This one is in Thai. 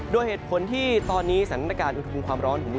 ด้วยเหตุผลที่ตอนนี้สรรค์รุงภูมิความร้อนของวิวไทย